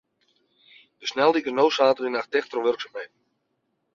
De sneldyk is no saterdeitenacht ticht troch wurksumheden.